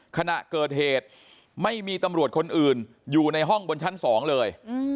ขณะเกิดเหตุไม่มีตำรวจคนอื่นอยู่ในห้องบนชั้น๒เลย